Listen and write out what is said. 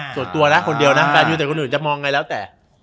ส่วนตัวแล้วคนเดียวนะ